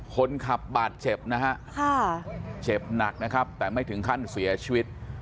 คนขับบาดเจ็บนะฮะเจ็บหนักนะครับแต่ไม่ถึงขั้นเสียชีวิต